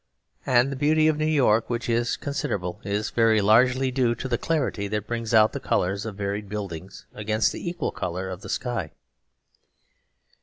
And the beauty of New York, which is considerable, is very largely due to the clarity that brings out the colours of varied buildings against the equal colour of the sky.